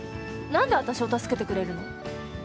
何で私を助けてくれるの？